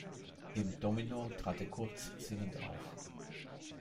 In "Domino" trat er kurz singend auf.